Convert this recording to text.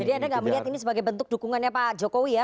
jadi anda enggak melihat ini sebagai bentuk dukungannya pak jokowi ya